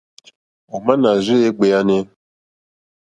Ò má nà rzéyé ɡbèànè.